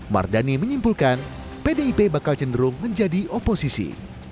mardani menyimpulkan pdip bakal cenderung menjadi oposisi